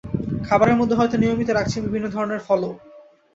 খাবারের মধ্যে হয়তো নিয়মিত রাখছেন বিভিন্ন ধরনের ফলও।